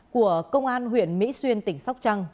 của công an huyện mỹ xuyên tỉnh sóc trăng